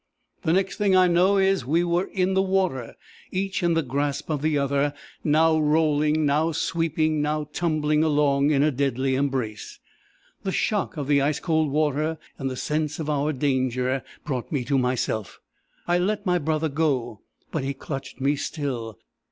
The next thing I know is, we were in the water, each in the grasp of the other, now rolling, now sweeping, now tumbling along, in deadly embrace. "The shock of the ice cold water, and the sense of our danger, brought me to myself. I let my brother go, but he clutched me still.